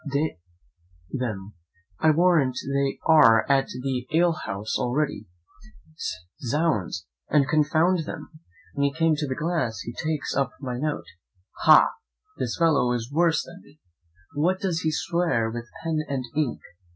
d n them, I warrant they are at the alehouse already! zounds! and confound them!' When he came to the glass he takes up my note 'Ha! this fellow is worse than me: what, does he swear with pen and ink?'